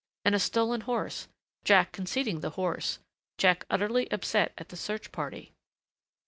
And a stolen horse.... Jack conceding the horse.... Jack utterly upset at the search party....